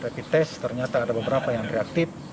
rapid test ternyata ada beberapa yang reaktif